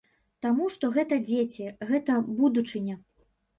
Таму што гэта дзеці, гэта будучыня.